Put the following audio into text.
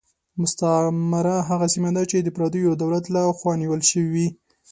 مستعمره هغه سیمه ده چې د پردیو دولت له خوا نیول شوې.